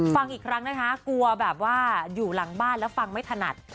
ฟังอีกครั้งนะคะกลัวแบบว่าอยู่หลังบ้านแล้วฟังไม่ถนัด